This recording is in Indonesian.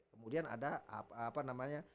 kemudian ada apa namanya